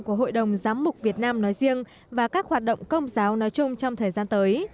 của hội đồng giám mục việt nam nói riêng và các hoạt động công giáo nói chung trong thời gian tới